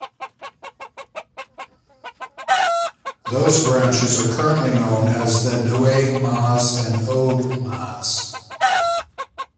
Those branches are currently known as the Nieuwe Maas and Oude Maas.